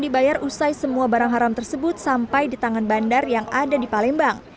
dibayar usai semua barang haram tersebut sampai di tangan bandar yang ada di palembang